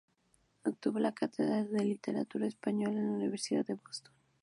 Obtuvo la cátedra de literatura española de la Universidad de Boston.